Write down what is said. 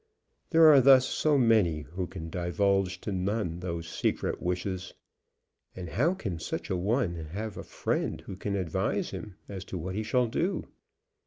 There are thus so many who can divulge to none those secret wishes! And how can such a one have a friend who can advise him as to what he shall do?